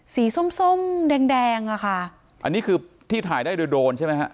ส้มส้มแดงแดงอ่ะค่ะอันนี้คือที่ถ่ายได้โดยโดรนใช่ไหมฮะ